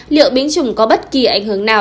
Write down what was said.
liệu biến chủng có bất kỳ ảnh hưởng nào